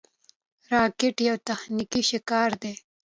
راکټ یو تخنیکي شاهکار دی